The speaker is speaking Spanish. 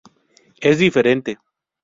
Es diferente.